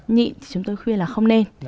nhịn thì chúng tôi khuyên là không nên